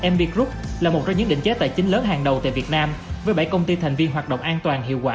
mb group là một trong những định chế tài chính lớn hàng đầu tại việt nam với bảy công ty thành viên hoạt động an toàn hiệu quả